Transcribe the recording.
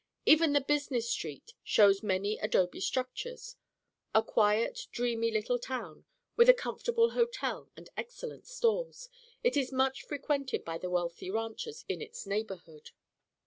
Even the business street shows many adobe structures. A quiet, dreamy little town, with a comfortable hotel and excellent stores, it is much frequented by the wealthy ranchers in its neighborhood.